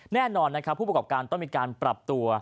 แน่นอนนะครับผู้ประกอบการต้องมีการปรับตัว